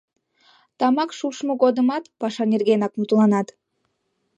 Тамак шупшмо годымат паша нергенак мутланат.